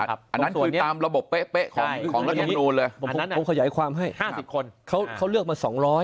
อันนั้นคือตามระบบเป๊ะของรัฐมนูลเลยผมขยายความให้๕๐คนเขาเลือกมา๒๐๐